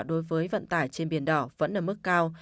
đối với vận tải trên biển đỏ vẫn ở mức cao